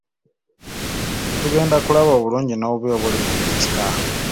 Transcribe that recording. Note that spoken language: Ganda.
Tugenda kulaba obulungi n'obubi obuli mu buli kika.